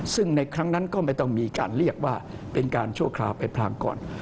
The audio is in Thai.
ซึ่งในครั้งนั้นก็ไม่ต้องมีการเรียกว่าเป็นการชั่วคราวไปพรางก่อน